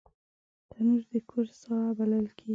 تنور د کور ساه بلل کېږي